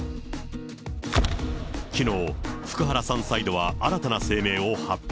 きのう、福原さんサイドは新たな声明を発表。